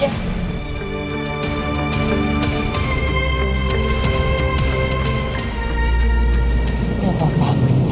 ya mbak maafkan aku